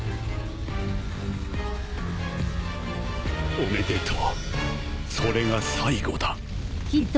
おめでとうそれが最後だ。